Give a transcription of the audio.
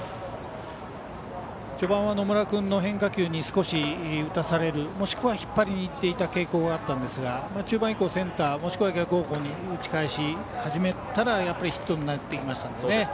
序盤は野村君の変化球に少し打たされるもしくは引っ張りにいっていた傾向があったんですが中盤以降、センター、逆方向に打ち返し始めたらやっぱりヒットになってきましたので。